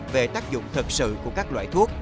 về tác dụng thật sự của các loại thuốc